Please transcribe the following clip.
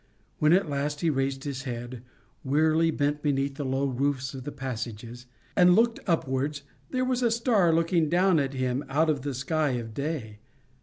When at last he raised his head, wearily bent beneath the low roofs of the passages, and looked upwards, there was a star looking down at him out of the sky of day!